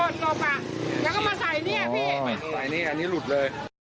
หนูก็โดนลงไปแล้วก็มาใส่เนี่ยพี่อ๋ออันนี้อันนี้หลุดเลย